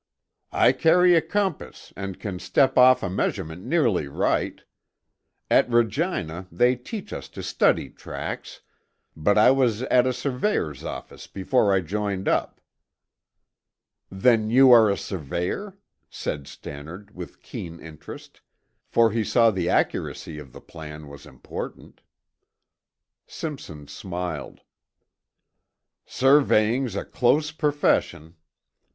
"I carry a compass and can step off a measurement nearly right. At Regina they teach us to study tracks, but I was at a surveyor's office before I joined up." "Then, you are a surveyor?" said Stannard with keen interest, for he saw the accuracy of the plan was important. Simpson smiled. "Surveying's a close profession.